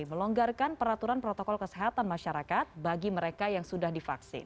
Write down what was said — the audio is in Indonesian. melonggarkan peraturan protokol kesehatan masyarakat bagi mereka yang sudah divaksin